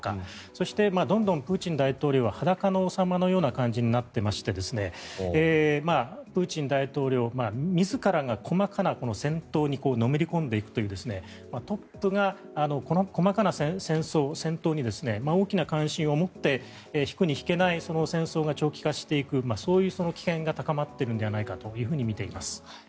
そしてどんどんプーチン大統領は裸の王様のような感じになっていましてプーチン大統領自らが細かな、戦闘にのめり込んでいくというトップが細かな戦闘に大きな関心を持って引くに引けない戦争が長期化していくそういう危険が高まっているのではとみています。